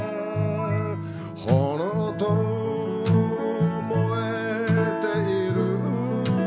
炎と燃えている